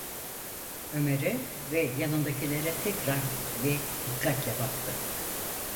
Ömer’e ve yanındakine tekrar ve dikkatle baktı.